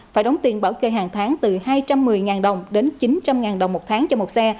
phải đóng tiền bảo kê hàng tháng từ hai trăm một mươi đồng đến chín trăm linh đồng một tháng cho một xe